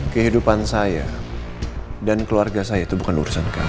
kehidupan saya dan keluarga saya itu bukan urusan kami